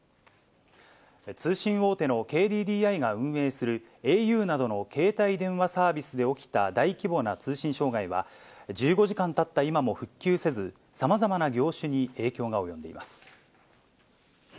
通信大手のＫＤＤＩが運営する、ａｕなどの携帯電話サービスで起きた大規模な通信障害は、１５時間たった今も復旧せず、さまざまな業種に影響が及んでいます。